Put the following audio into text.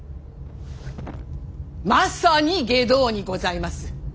まさに外道にございます！